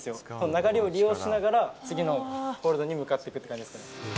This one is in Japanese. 流れを利用しながら、次のホールドに向かっていくっていう感じですかね。